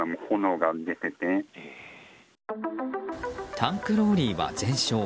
タンクローリーは全焼。